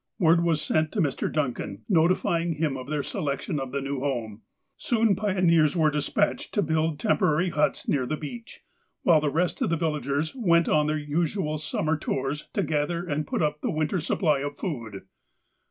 Word was sent to Mr. Duncan, notifying him of their selection of the new home. Soon pioneers were despatched to build temporary huts near the beach, while the rest of the villagers went on their usual summer tours to gather and put up the winter supply of food.